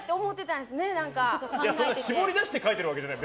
絞り出して書いてるわけじゃない。